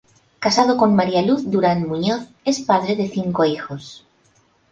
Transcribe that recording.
Casado con María Luz Durán Muñoz, es padre de cinco hijos.